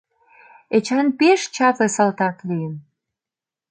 Эчан пеш чапле салтак лийын.